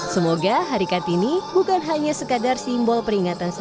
semoga hari kartini bukan hanya sekadar simbol